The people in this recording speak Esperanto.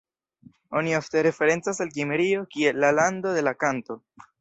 Oni ofte referencas al Kimrio kiel la "lando de la kanto".